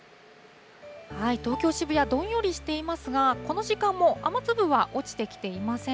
東京・渋谷、どんよりしていますが、この時間も雨粒は落ちてきていません。